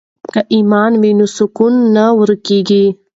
که ایمان وي نو سکون نه ورکیږي.